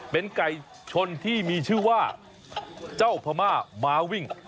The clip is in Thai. เป็นไก่ชนที่มีชื่อว่าเจ้าพม่ามาวิ่ง